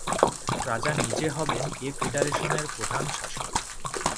রাজা নিজে হবেন এ ফেডারেশনের প্রধান শাসক।